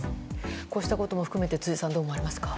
こうしたことも含めて辻さん、どう思いますか？